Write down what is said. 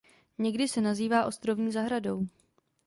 Někdy se nazývá ostrovní zahradou.